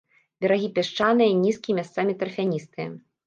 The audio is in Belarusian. Берагі пясчаныя, нізкія, месцамі тарфяністыя.